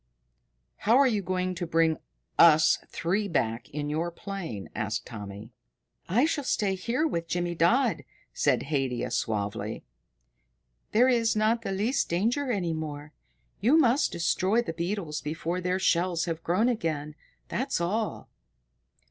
"How are you going to bring us three back in your plane?" asked Tommy. "I shall stay here with Jimmydodd," said Haidia suavely. "There is not the least danger any more. You must destroy the beetles before their shells have grown again, that's all."